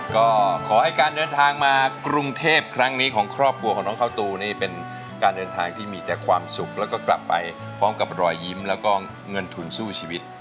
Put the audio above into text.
ก็ขอให้การเดินทางมากรุงเทพครั้งนี้ของครอบครัวของน้องข้าวตูนี่เป็นการเดินทางที่มีแต่ความสุขแล้วก็กลับไปพร้อมกับรอยยิ้มแล้วก็เงินทุนสู้ชีวิต